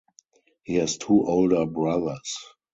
He has two older brothers.